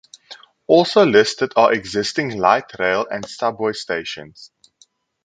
Also listed are existing light rail and subway stations.